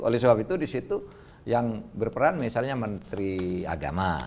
oleh sebab itu disitu yang berperan misalnya menteri agama